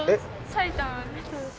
埼玉です。